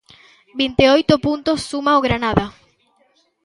Vinte e oito puntos suma o Granada.